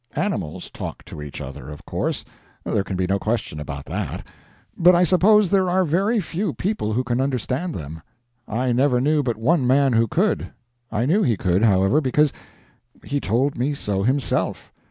Animals talk to each other, of course. There can be no question about that; but I suppose there are very few people who can understand them. I never knew but one man who could. I knew he could, however, because he told me so himself.